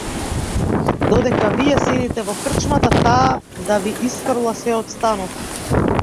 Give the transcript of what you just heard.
Додека вие седите во крчмата, таа да ви исфрла сѐ од станот!